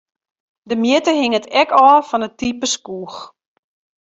De mjitte hinget ek ôf fan it type skoech.